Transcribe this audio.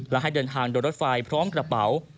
และให้เดินทางโดยรถไฟพร้อมกระเป๋า